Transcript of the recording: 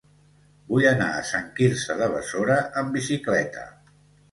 Vull anar a Sant Quirze de Besora amb bicicleta.